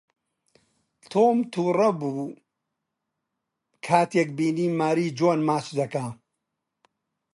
تۆم تووڕە بوو کاتێک بینی ماری جۆن ماچ دەکات.